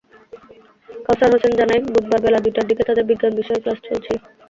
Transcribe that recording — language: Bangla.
কাওছার হোসেন জানায়, বুধবার বেলা দুইটার দিকে তাদের বিজ্ঞান বিষয়ের ক্লাস চলছিল।